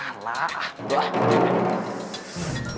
alah ah buah